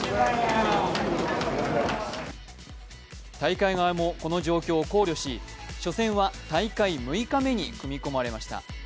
大会側もこの状況を考慮し、初戦は大会６日目に組み込まれました。